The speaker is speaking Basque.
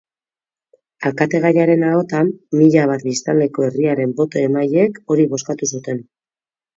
Alkategaiaren ahotan, mila bat biztanleko herriaren boto-emaileek hori bozkatu zuten.